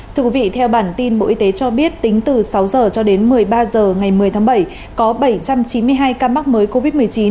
thưa quý vị theo bản tin bộ y tế cho biết tính từ sáu h cho đến một mươi ba h ngày một mươi tháng bảy có bảy trăm chín mươi hai ca mắc mới covid một mươi chín